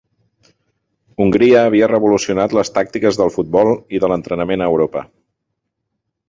Hongria havia revolucionat les tàctiques del futbol i de l'entrenament a Europa.